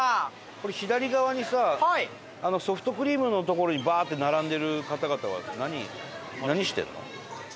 これ左側にさソフトクリームの所にバーッて並んでる方々は何何してるの？